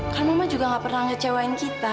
kan mama juga gak pernah ngecewain kita